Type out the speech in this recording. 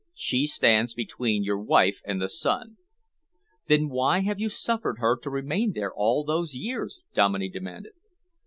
She stands between your wife and the sun." "Then why have you suffered her to remain there all those years?" Dominey demanded.